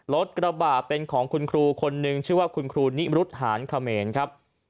รถกระบะเป็นของคุณครูคนนึงชื่อว่าคุณครูนิมรุษหานเขมรครับ